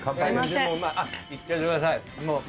いっちゃってください。